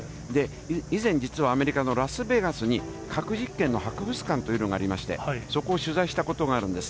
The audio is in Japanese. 以前、実はアメリカのラスベガスに核実験の博物館というのがありまして、そこを取材したことがあるんです。